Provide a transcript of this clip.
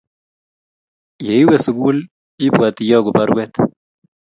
Yeiwe sukul ibwatviyaku barwet.